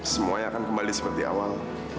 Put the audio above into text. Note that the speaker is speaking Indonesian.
semuanya akan kembali seperti awal